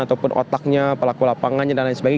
ataupun otaknya pelaku lapangannya dan lain sebagainya